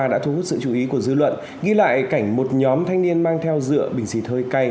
đã thu hút sự chú ý của dư luận ghi lại cảnh một nhóm thanh niên mang theo dựa bình xịt hơi cay